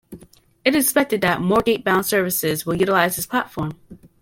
It is expected that Moorgate-bound services will utilise this platform.